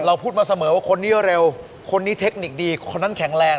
พูดมาเสมอว่าคนนี้เร็วคนนี้เทคนิคดีคนนั้นแข็งแรง